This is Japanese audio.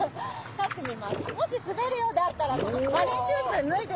滑るようだったらマリンシューズ脱いで。